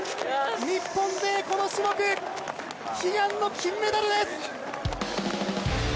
日本勢、この種目悲願の金メダルです！